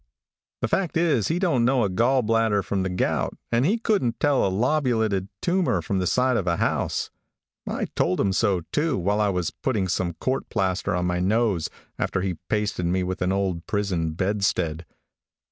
The fact is, he don't know a gall bladder from the gout, and he couldn't tell a lobulated tumor from the side of a house. I told him so, too, while I was putting some court plaster on my nose, after he pasted me with an old prison bedstead.